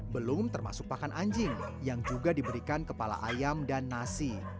belum termasuk pakan anjing yang juga diberikan kepala ayam dan nasi